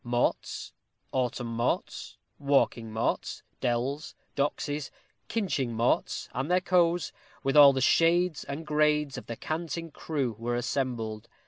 Morts, autem morts, walking morts, dells, doxies, kinching morts, and their coes, with all the shades and grades of the Canting Crew, were assembled.